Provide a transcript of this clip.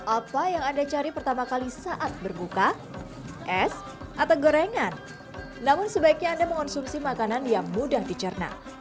apa yang anda cari pertama kali saat berbuka es atau gorengan namun sebaiknya anda mengonsumsi makanan yang mudah dicerna